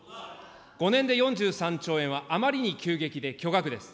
５年で４３兆円はあまりに急激で、巨額です。